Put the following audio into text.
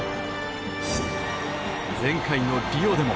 前回のリオでも。